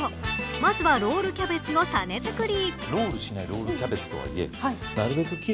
まずはロールキャベツのたね作り。